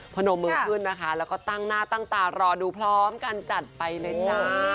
พนมมือขึ้นนะคะแล้วก็ตั้งหน้าตั้งตารอดูพร้อมกันจัดไปเลยจ้า